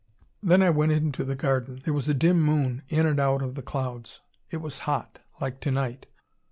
"Then I went into the garden. There was a dim moon in and out of the clouds. It was hot, like to night.